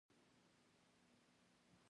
زه د جهان پوهنتون محصل يم.